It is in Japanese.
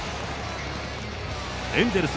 エンゼルス